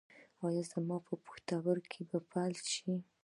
ایا زما پښتورګي به فلج شي؟